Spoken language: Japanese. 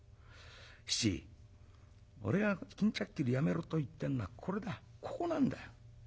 七俺が巾着切りやめろと言ってんのはこれだここなんだよ。